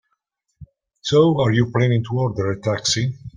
So, are you planning to order a taxi?